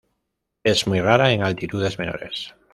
Es muy rara en altitudes menores.